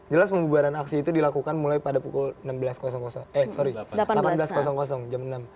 jelas pembubaran aksi itu dilakukan mulai pada pukul delapan belas jam enam